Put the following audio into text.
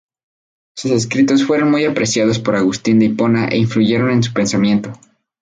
Sus escritos fueron muy apreciados por Agustín de Hipona e influyeron en su pensamiento.